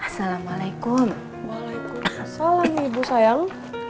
assalamualaikum waalaikumsalam ibu sayang